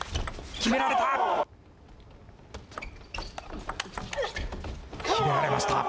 決められました。